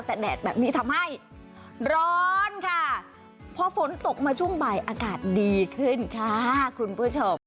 แต่แดดแบบนี้ทำให้ร้อนค่ะพอฝนตกมาช่วงบ่ายอากาศดีขึ้นค่ะคุณผู้ชม